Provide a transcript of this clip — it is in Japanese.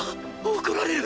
怒られる！